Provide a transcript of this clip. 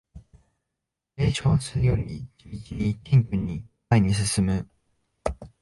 冷笑するより地道に謙虚に前に進む